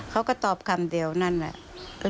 เขาก็ตอบคำเดียวนั่นแหละ